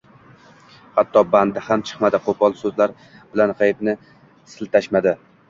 hatto “badi” ham chiqmadi, qo‘pol so‘zlar bilan g‘aybni siltashmadi.